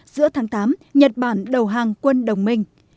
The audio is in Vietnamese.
giữa tháng tám nhật bản đầu hàng quân đồng minh